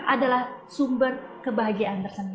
adalah sumber kebahagiaan tersendiri